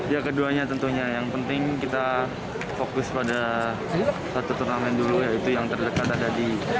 ya keduanya tentunya yang penting kita fokus pada satu turnamen dulu yaitu yang terdekat ada di